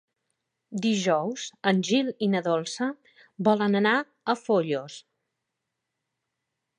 Dijous en Gil i na Dolça volen anar a Foios.